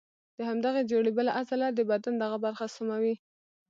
د همدغې جوړې بله عضله د بدن دغه برخه سموي.